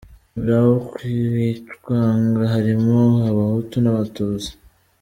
Muri abo bicwaga harimo abahutu n’abatutsi.